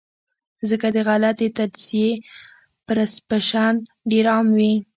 ځکه د غلطې تجزئې پرسپشن ډېر عام وي -